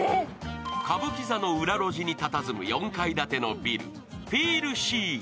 歌舞伎座の裏路地にたたずむ４階建てのビル、ＦＥＥＬＳＥＥＮ